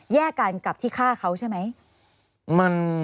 แยกกันกับที่ฆ่าเขาใช่ไหม